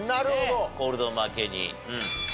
コールド負けに。